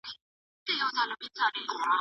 که غواړې ښه ژوند ولرې، نو زده کړه وکړه.